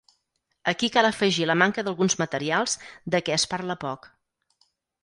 Aquí cal afegir la manca d’alguns materials de què es parla poc.